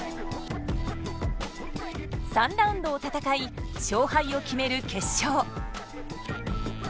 ３ラウンドを戦い勝敗を決める決勝。